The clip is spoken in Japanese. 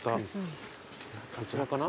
こちらかな？